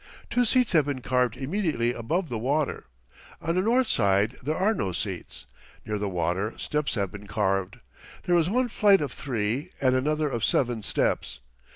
Two seats have been carved immediately above the water. On the north side there are no seats. Near the water, steps have been carved. There is one flight of three and another of seven steps.